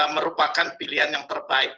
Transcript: merupakan pilihan yang terbaik